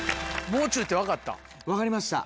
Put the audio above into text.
もう中って分かった？